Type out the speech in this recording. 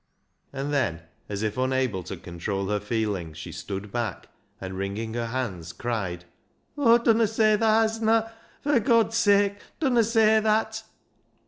And then, as if unable to control her feelings, she stood back, and, wringing her hands, cried —" Oh, dunna say thaa hasna ! for God's sake, dunna say that